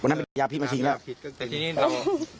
วันนั้นเป็นพระยาพิพย์มาทิ้งแล้ว